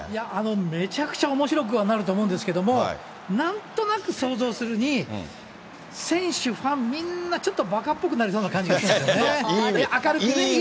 めちゃくちゃおもしろくはなると思うんですけど、なんとなく想像するに、選手、ファン、みんなちょっとばかっぽくなりそうな感じしますね、いい意味で。